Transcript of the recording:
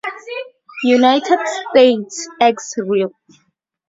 United States ex rel.